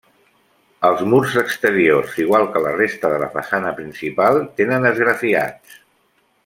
Els murs exteriors, igual que la resta de la façana principal, tenen esgrafiats.